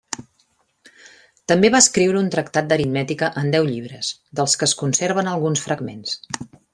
També va escriure un tractat d'aritmètica en deu llibres, dels que es conserven alguns fragments.